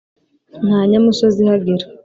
nta nyamusozi ihagera,